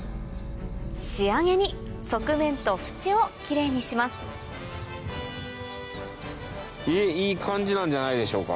仕上げに側面と縁をキレイにしますいい感じなんじゃないでしょうか。